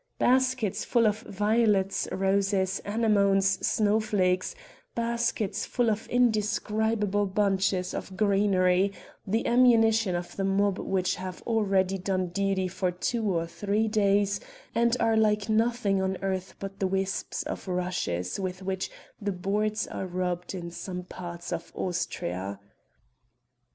Baskets full of violets, roses, anemones, snowflakes baskets full of indescribable bunches of greenery the ammunition of the mob which have already done duty for two or three days and are like nothing on earth but the wisps of rushes with which the boards are rubbed in some parts of Austria.